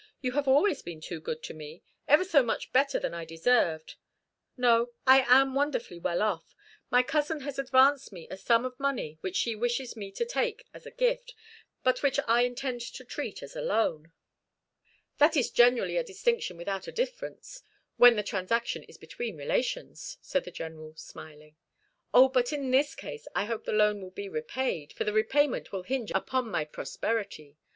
"You have always been too good to me ever so much better than I deserved. No, I am wonderfully well off. My cousin has advanced me a sum of money which she wishes me to take as a gift, but which I intend to treat as a loan." "That is generally a distinction without a difference when the transaction is between relations," said the General, smiling. "O, but in this case I hope the loan will be repaid, for the repayment will hinge upon my prosperity.